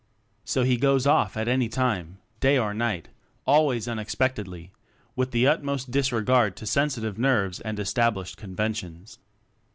So he "goes off" at any old time, day or night always unexpectedly with the utmost disregard to sensitive nerves and es tablished conventions.